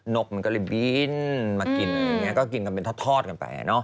นกมันก็เลยบี้นมากินพอกินกันเป็นทอดกันไป